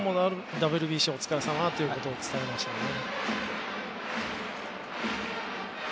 ＷＢＣ、お疲れさまということを伝えましたね。